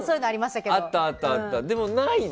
でも、ないね。